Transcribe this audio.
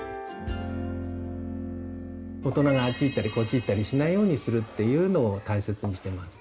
大人があっち行ったりこっち行ったりしないようにするっていうのを大切にしてます。